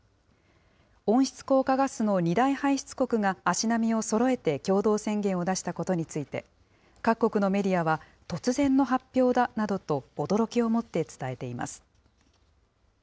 温室効果ガスの２大排出国が足並みをそろえて共同宣言を出したことについて、各国のメディアは、突然の発表だなどと驚きをもって伝えています。